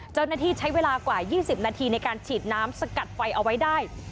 เจ้าหน้าที่ใช้เวลากว่า๒๐นาทีในการฉีดน้ำสกัดไฟเอาไว้ได้